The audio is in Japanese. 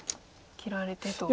切られてと。